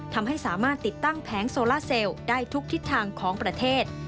ทำให้สามารถติดตั้งแผงโซล่าเซลได้ทุกทิศทางของประเทศ